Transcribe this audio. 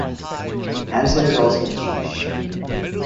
Hansen is also Jewish.